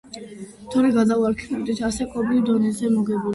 ასაკობრივ დონეზე მოგებული აქვს რვა მედალი საქართველოს ჩემპიონატებში.